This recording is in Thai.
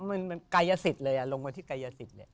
มันกายยสิตเลยลงมาที่กายยสิต